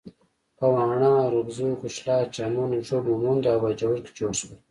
په واڼه، ارکزو، کچلاک، چمن، ږوب، مومندو او باجوړ کې جوړ شول.